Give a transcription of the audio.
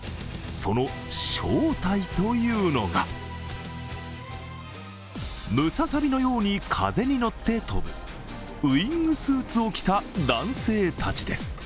その正体というのがムササビのように風に乗って飛ぶ、ウイングスーツを着た男性たちです。